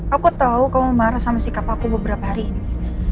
aku tahu kau marah sama sikap aku beberapa hari ini